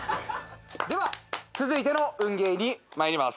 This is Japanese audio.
では続いての運ゲーに参ります。